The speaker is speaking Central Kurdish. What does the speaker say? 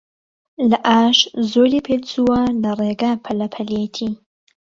لە ئاش زۆری پێچووە، لە ڕێگا پەلە پەلیەتی